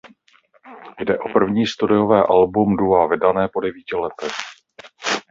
Jde o první studiové album dua vydané po devíti letech.